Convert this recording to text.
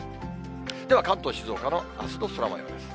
では関東、静岡のあすの空もようです。